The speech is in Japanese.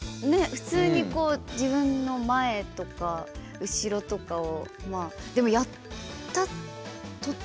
普通に自分の前とか後ろとかを。でもやったとて。